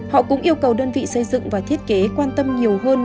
họ cũng yêu cầu đơn vị xây dựng và thiết kế quan tâm nhiều hơn